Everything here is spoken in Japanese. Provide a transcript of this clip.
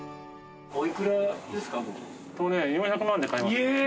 おいくらですか？